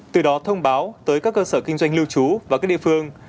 từ đó thông báo tới các cơ sở kinh doanh lưu trú và các địa phương